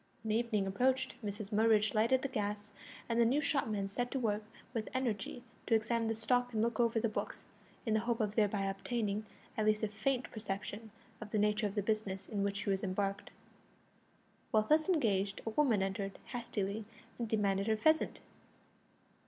When evening approached Mrs Murridge lighted the gas, and the new shopman set to work with energy to examine the stock and look over the books, in the hope of thereby obtaining at least a faint perception of the nature of the business in which he was embarked. While thus engaged a woman entered hastily and demanded her pheasant.